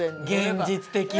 現実的ね。